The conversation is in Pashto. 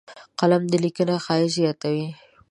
قلم د لیکنې ښایست زیاتوي